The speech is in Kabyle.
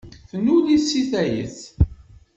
Tennul-it seg tayet.